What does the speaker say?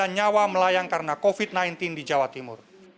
tujuh ratus empat puluh sembilan nyawa melayang karena covid sembilan belas di jawa timur